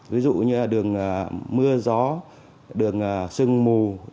ví dụ như là đường mưa gió đường sưng mùa